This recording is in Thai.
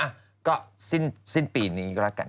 อะก็สิ้นปีนก็รักกัน